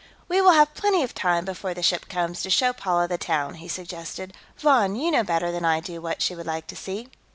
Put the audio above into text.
"We will have plenty of time, before the ship comes, to show Paula the town," he suggested. "Von, you know better than I do what she would like to see."